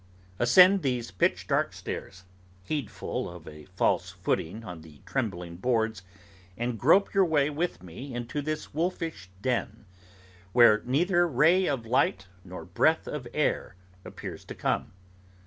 Ascend these pitch dark stairs, heedful of a false footing on the trembling boards, and grope your way with me into this wolfish den, where neither ray of light nor breath of air, appears to come.